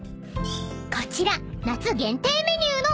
［こちら夏限定メニューの］